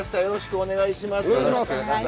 よろしくお願いします。